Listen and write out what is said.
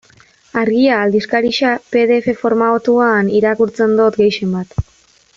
Argia aldizkaria pe de efe formatuan irakurtzen dut gehienbat.